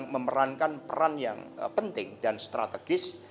memerankan peran yang penting dan strategis